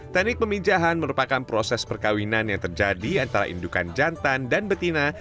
teknik peminjahan merupakan proses perkawinan yang terjadi antara indukan jantan dan betina